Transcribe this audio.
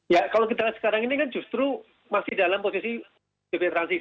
ya kalau kita lihat sekarang ini kan justru masih dalam posisi dpt transisi